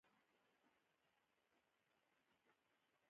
ټول باغیان د خلکو په وړاندې په دار وځړول شول.